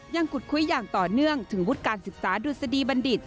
ขุดคุยอย่างต่อเนื่องถึงวุฒิการศึกษาดุษฎีบัณฑิต